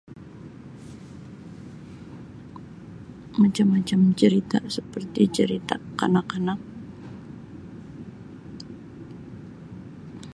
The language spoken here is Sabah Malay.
Macam-macam cerita seperti cerita kanak-kanak.